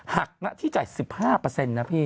หักหน้าที่จ่าย๑๕นะพี่